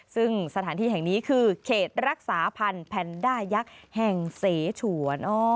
ซึ่งสถานที่แห่งนี้คือเขตรักษาพันธ์แพนด้ายักษ์แห่งเสฉวน